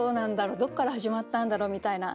「どっから始まったんだろう」みたいな。